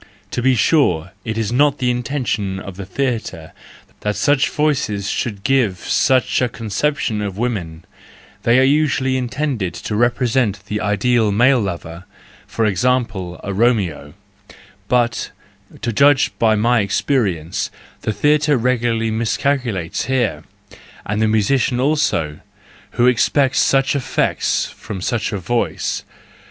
To be sure, it is not the inten¬ tion of the theatre that such voices should give such a conception of women; they are usually intended to represent the ideal male lover, for example, a Romeo; but, to judge by my experience, the theatre regularly miscalculates here, and the musician also, who expects such effects from such a voice.